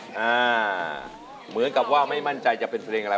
เหมือนกับว่าไม่มั่นใจจะเป็นเพลงอะไร